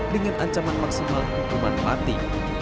dengan ancaman maksimal hukuman mati